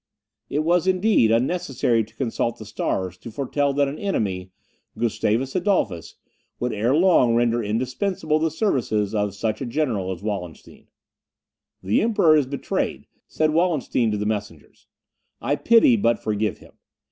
It was, indeed, unnecessary to consult the stars to foretell that an enemy, Gustavus Adolphus, would ere long render indispensable the services of such a general as Wallenstein. "The Emperor is betrayed," said Wallenstein to the messengers; "I pity but forgive him.